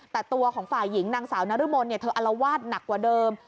แต่ตัวของฝ่ายหญิงนางสาวนรมนเธออลวาดหนักกว่าเดิม